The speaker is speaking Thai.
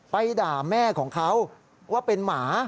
ด่าแม่ของเขาว่าเป็นหมา